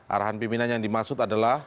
arahan pimpinan yang dimaksud adalah